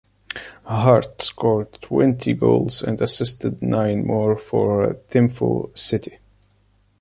Hart scored twenty goals and assisted nine more for Thimphu City.